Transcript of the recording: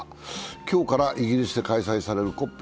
今日からイギリスで開催されるＣＯＰ